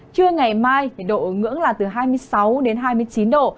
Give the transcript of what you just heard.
trưa ngày mai thì độ ứng ứng là từ hai mươi sáu đến hai mươi chín độ